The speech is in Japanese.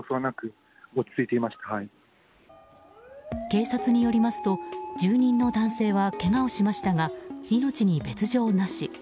警察によりますと住人の男性はけがをしましたが命に別条なし。